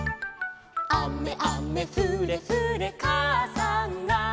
「あめあめふれふれかあさんが」